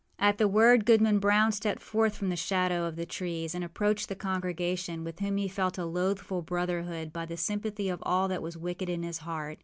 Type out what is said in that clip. At the word, Goodman Brown stepped forth from the shadow of the trees and approached the congregation, with whom he felt a loathful brotherhood by the sympathy of all that was wicked in his heart.